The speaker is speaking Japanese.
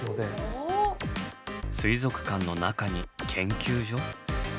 水族館の中に研究所？